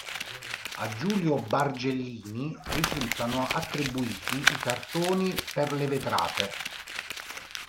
A Giulio Bargellini risultano attribuiti i cartoni per le vetrate.